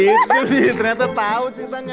habis gitu sih ternyata tahu cinta